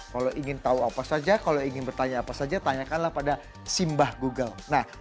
kalau ingin tahu apa saja kalau ingin bertanya apa saja tanyakanlah pada simbah google